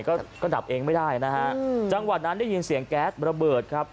ก็ก็ดับเองไม่ได้นะฮะจังหวะนั้นได้ยินเสียงแก๊สระเบิดครับ